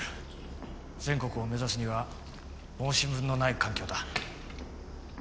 全国を目指すには申し分のない環境だ。